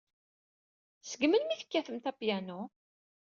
Seg melmi ay tekkatemt apyanu?